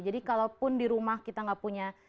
jadi kalaupun di rumah kita enggak punya